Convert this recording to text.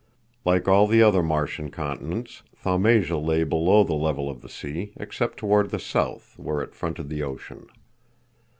Like all the other Martian continents, Thaumasia lay below the level of the sea, except toward the south, where it fronted the ocean.